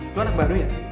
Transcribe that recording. lo anak baru ya